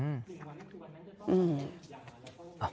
อืม